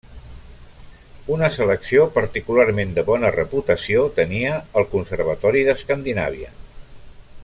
Una selecció particularment de bona reputació tenia el Conservatori d'Escandinàvia.